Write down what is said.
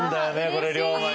これ龍馬に。